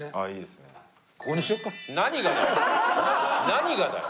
何がだよ！